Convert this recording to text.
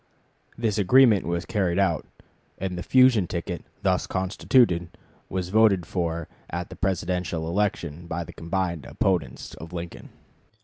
This agreement was carried out, and the fusion ticket thus constituted was voted for at the Presidential election by the combined opponents of Lincoln.